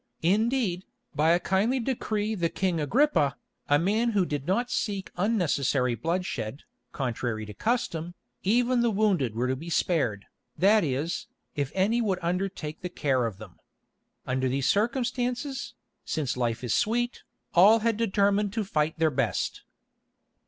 Indeed, by a kindly decree the King Agrippa, a man who did not seek unnecessary bloodshed, contrary to custom, even the wounded were to be spared, that is, if any would undertake the care of them. Under these circumstances, since life is sweet, all had determined to fight their best.